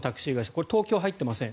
これは東京入っていません